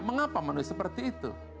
mengapa manusia seperti itu